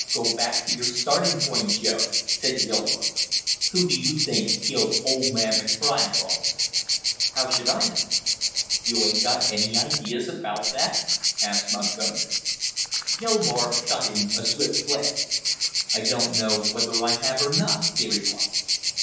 "Get back to your starting point, Joe!" said Gilmore. "Who do you think killed old man McBride, boss?" "How should I know?" "You ain't got any ideas about that?" asked Montgomery. Gilmore shot him a swift glance. "I don't know whether I have or not," he replied.